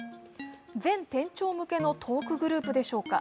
全店長向けのトークグループでしょうか。